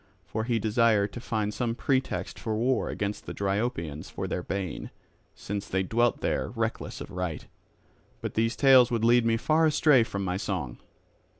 For he desired to find some pretext for war against the Dryopians for their bane, since they dwelt there reckless of right. But these tales would lead me far astray from my song.